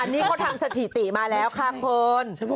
อันนี้ก็ทางสถิติมาแล้วค่ะเพิร์น